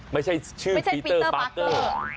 ไม่ใช่ชื่อฟีเตอร์ปาร์เตอร์